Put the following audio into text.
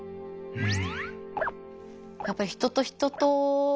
うん。